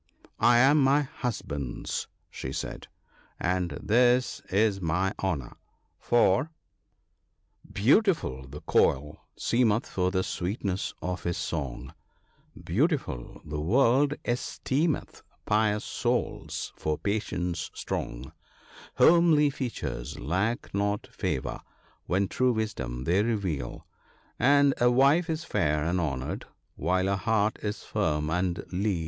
"I am my husband's," she said, "and that is my honour; for —" Beautiful the Koil ( 41 ) seemeth for the sweetness of his song, Beautiful the world esteemeth pious souls for patience strong ; Homely features lack not favour when true wisdom they reveal, And a wife is fair and honoured while her heart is firm and leal."